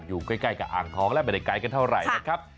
อยู่ใกล้กับอ่างทองและไม่ได้ไกลกันเท่าไหร่นะครับ